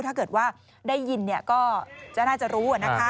ถ้าเกิดว่าได้ยินก็น่าจะรู้